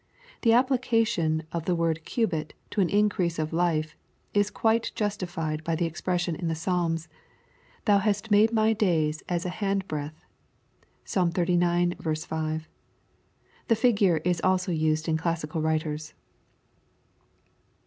The appUcation of the word " cubit" to an increase of life, is quite justified by the expression in the Psalms, " Thou hast made my days as an hand breadth." (Psal. xxxix. 5.) The figure is also used in classical writers.